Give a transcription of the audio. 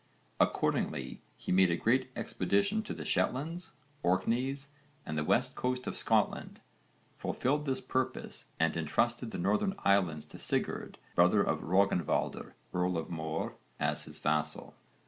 Accordingly he made a great expedition to the Shetlands, Orkneys and the west coast of Scotland, fulfilled this purpose and entrusted the Northern Islands to Sigurd, brother of Rögnvaldr, earl of Möre, as his vassal.